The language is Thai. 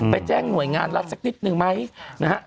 แจ้งหน่วยงานรัฐสักนิดนึงไหมนะฮะ